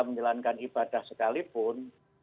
menjalankan ibadah sekalipun